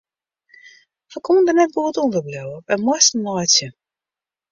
Wy koene der net goed ûnder bliuwe, wy moasten laitsje.